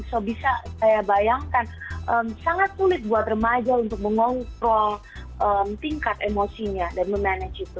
so bisa saya bayangkan sangat sulit buat remaja untuk mengontrol tingkat emosinya dan memanage itu